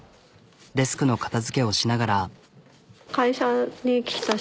デスクの片づけをしながら。